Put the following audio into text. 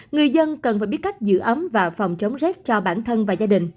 người dân cần phải biết cách giữ ấm và phòng chống